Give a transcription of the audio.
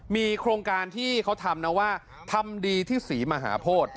มีโครงการที่เขาทำนะว่าทำดีที่ศรีมหาโพธิ